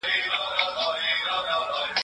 په خوړو کې غوړي کم کړئ.